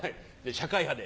社会派で。